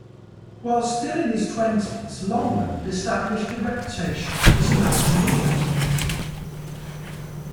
While still in his twenties Longland established a reputation as a mountaineer.